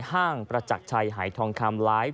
ห้างประจักรชัยหายทองคำไลฟ์